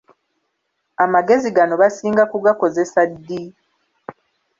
Amagezi gano basinga kugakozesa ddi?